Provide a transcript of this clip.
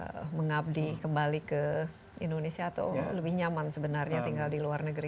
bisa mengabdi kembali ke indonesia atau lebih nyaman sebenarnya tinggal di luar negeri